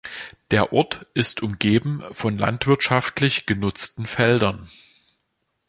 Der Ort ist umgeben von landwirtschaftlich genutzten Feldern.